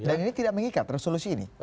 dan ini tidak mengikat resolusi ini